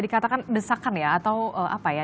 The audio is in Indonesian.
dikatakan desakan ya atau apa ya